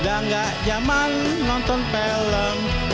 dan gak jaman nonton film